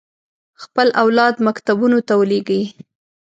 خپل اولاد مکتبونو ته ولېږي.